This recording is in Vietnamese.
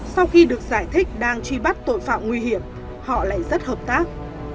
sau khi được giải thích đang truy bắt tội phạm nguy hiểm họ lại rất hợp tác